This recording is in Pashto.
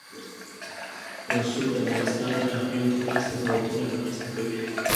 رسوب د افغانستان د ناحیو ترمنځ تفاوتونه رامنځ ته کوي.